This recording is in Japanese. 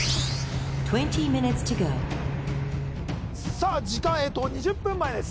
さあ時間２０分前です